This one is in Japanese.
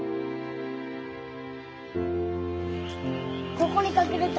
・ここに隠れた。